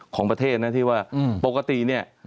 ของประเทศนะที่ว่าปกติเนี่ย